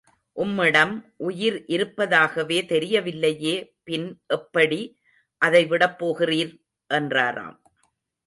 உம்மிடம் உயிர் இருப்பதாகவே தெரியவில்லையே பின் எப்படி அதை விடப் போகிறீர்? என்றாராம்.